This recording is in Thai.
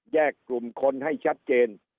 กลุ่มคนให้ชัดเจน